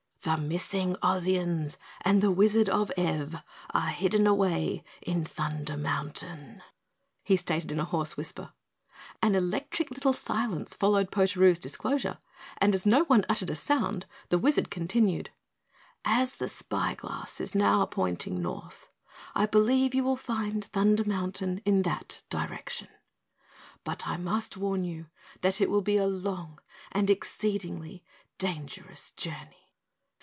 "The missing Ozians and the Wizard of Ev are hidden away in Thunder Mountain," he stated in a hoarse whisper. An electric little silence followed Potaroo's disclosure, and as no one uttered a sound, the wizard continued, "As the spyglass is now pointing north, I believe you will find Thunder Mountain in that direction, but I must warn you that it will be a long and exceedingly dangerous journey."